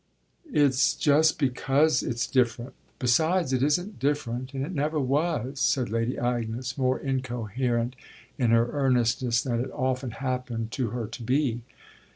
"It's just because it's different. Besides, it isn't different and it never was," said Lady Agnes, more incoherent in her earnestness than it often happened to her to be.